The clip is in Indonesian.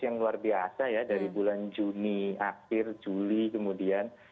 yang luar biasa ya dari bulan juni akhir juli kemudian